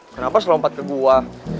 kenapa selompat ke gua